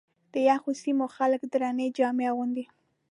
د یخو سیمو خلک درنې جامې اغوندي.